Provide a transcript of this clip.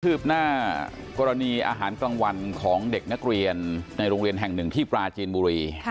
ืบหน้ากรณีอาหารกลางวันของเด็กนักเรียนในโรงเรียนแห่งหนึ่งที่ปราจีนบุรี